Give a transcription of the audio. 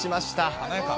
華やか。